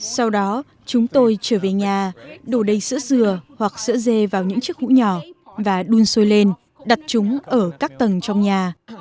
sau đó chúng tôi trở về nhà đủ đầy sữa dừa hoặc sữa dê vào những chiếc hũ nhỏ và đun sôi lên đặt chúng ở các tầng trong nhà